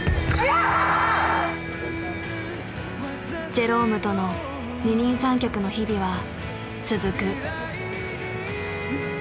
ジェロームとの二人三脚の日々は続く。